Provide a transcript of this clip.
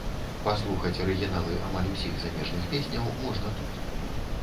Паслухаць арыгіналы амаль усіх замежных песняў можна тут.